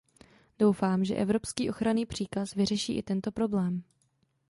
Doufám, že evropský ochranný příkaz vyřeší i tento problém.